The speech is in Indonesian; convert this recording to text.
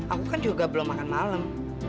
aku kan juga belum makan malam